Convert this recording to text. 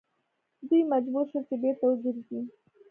دوی مجبور شول چې بیرته وګرځي.